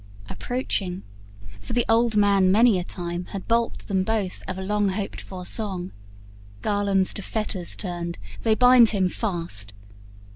Approaching for the old man many a time Had balked them both of a long hoped for song Garlands to fetters turned, they bind him fast.